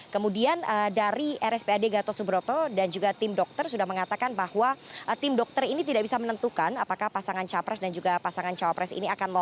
kemudian dari rspad gatot subroto dan juga tim dokter sudah mengatakan bahwa tim dokter ini tidak bisa menentukan apakah pasangan capres dan juga pasangan cawapres ini akan lolos